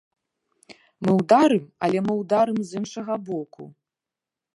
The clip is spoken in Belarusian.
Мы ўдарым, але мы ўдарым з іншага боку.